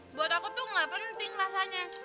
buat aku tuh gak penting rasanya